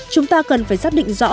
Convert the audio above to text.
chúng ta cần phải xác định rõ